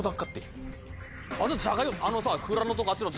あのさ。